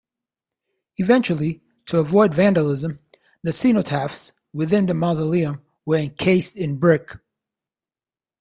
Eventually, to avoid vandalism, the cenotaphs within the mausoleum were encased in brick.